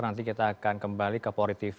nanti kita akan kembali ke pori tv